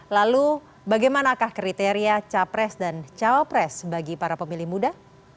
lalu bagaimanakah kriteria capres dan cawapres bagi para pemilih muda